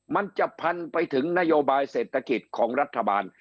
มันจะพันไปถึงนโยบายเศรษฐกิจของรัฐบาล